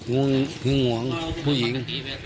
เซอร์โหงห่วงผู้หญิง